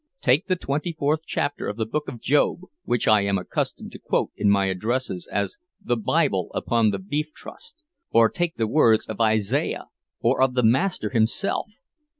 Take the twenty fourth chapter of the Book of Job, which I am accustomed to quote in my addresses as 'the Bible upon the Beef Trust'; or take the words of Isaiah—or of the Master himself!